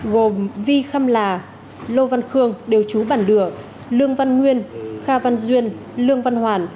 gồm vi khâm là lô văn khương đều trú bàn đửa lương văn nguyên kha văn duyên lương văn hoàn